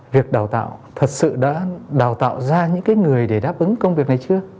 việc đào tạo thật sự đã đào tạo ra những cái người để đáp ứng công việc này chưa